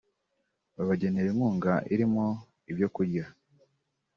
babagenera inkunga irimo ibyo kurya